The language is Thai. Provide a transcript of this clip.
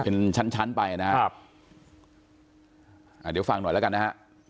เป็นชั้นชั้นไปนะครับอ่าเดี๋ยวฟังหน่อยแล้วกันนะฮะ